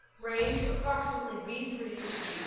Range approximately b to g''.